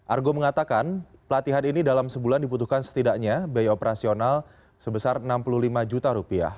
argo mengatakan pelatihan ini dalam sebulan dibutuhkan setidaknya biaya operasional sebesar rp enam puluh lima juta